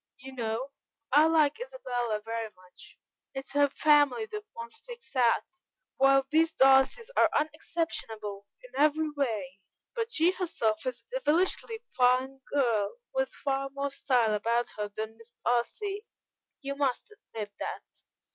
You know, I like Isabella very much, it is her family that one sticks at, while these Darcys are unexceptionable in every way; but she herself is a devilishly fine girl, with far more style about her than Miss Darcy, you must admit that."